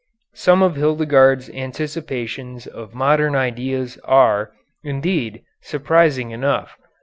Some of Hildegarde's anticipations of modern ideas are, indeed, surprising enough.